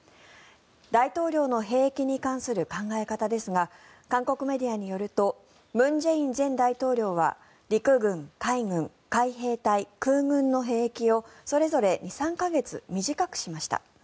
大統領の兵役に関する考え方ですが韓国メディアによると文在寅前大統領は陸軍、海軍、海兵隊、空軍の兵役をそれぞれ２３か月短くしました。